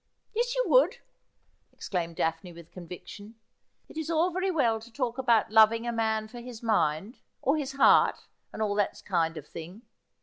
' Yes, you would,' exclaimed Daphne, with conviction. ' It is all very well to talk about loving a man for his mind, or his heart, and all that kind of thing.